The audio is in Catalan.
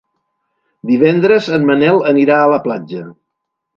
Divendres en Manel anirà a la platja.